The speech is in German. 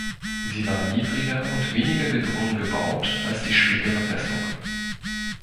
Sie war niedriger und weniger gedrungen gebaut als die spätere Festung.